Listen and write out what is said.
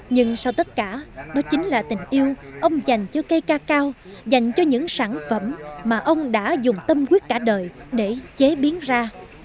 nhưng sau tất cả đó chính là tình yêu ông dành cho cây cacao dành cho những sản phẩm mà ông đã dùng tâm quyết cả đời để chế biến ra